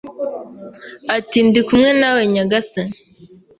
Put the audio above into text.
Ati: "Ndi kumwe nawe, nyagasani."